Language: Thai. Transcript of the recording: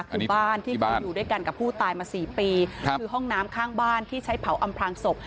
คือบ้านที่เคยอยู่ด้วยกันกับผู้ตายมาสี่ปีคือห้องน้ำข้างบ้านที่ใช้เผาอำพลางศพ